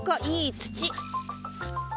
いい土。